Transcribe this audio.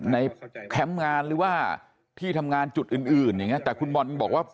ในแคมป์งานหรือว่าที่ทำงานจุดอื่นแต่คุณบอลบอกว่า